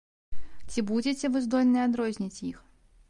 Ці будзеце вы здольныя адрозніць іх?